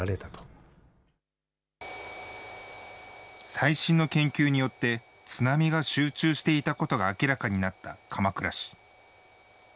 最新の研究によって、津波が集中していたことが明らかになった鎌倉市。